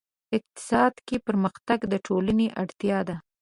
اقتصاد کې پرمختګ د ټولنې اړتیا ده.